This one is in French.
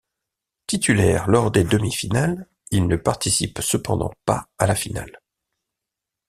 Titulaire lors des demi-finales, il ne participe cependant pas à la finale.